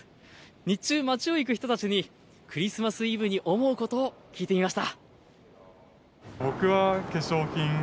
日中、街を行く人たちにクリスマスイブに思うことを聞いてみました。